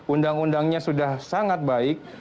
undang undangnya sudah sangat baik